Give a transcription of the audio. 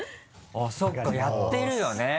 あっそうかやってるよね